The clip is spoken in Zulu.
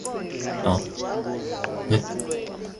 Bhala amabanga emaqophelweni alo jeke wokukala.